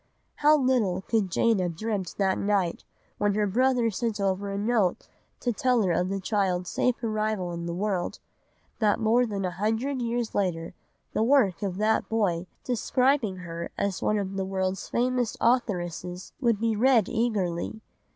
How little could Jane have dreamt that night when her brother sent over a note to tell her of the child's safe arrival in the world, that more than a hundred years later the work of that boy, describing her as one of the world's famous authoresses, would be read eagerly.